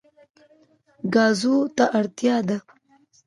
ګازو ته اړتیا ده.